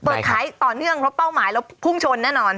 เปิดขายต่อเนื่องเพราะเป้าหมายแล้วพุ่งชนแน่นอน